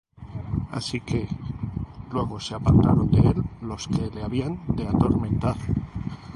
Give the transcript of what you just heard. Así que, luego se apartaron de él los que le habían de atormentar: